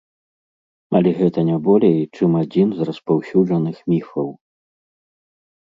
Але гэта не болей, чым адзін з распаўсюджаных міфаў.